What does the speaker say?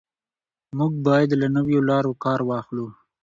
موږ باید له نویو لارو کار واخلو.